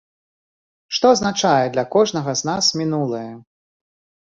Што азначае для кожнага з нас мінулае?